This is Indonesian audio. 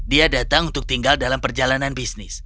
dia datang untuk tinggal dalam perjalanan bisnis